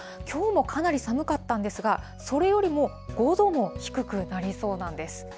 きょうもかなり寒かったんですが、それよりも５度も低くなりそうなんです。